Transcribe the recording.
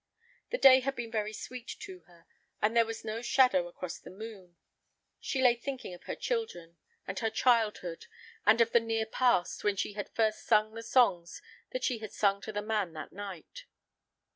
The day had been very sweet to her, and there was no shadow across the moon. She lay thinking of her children, and her childhood, and of the near past, when she had first sung the songs that she had sung to the man that night.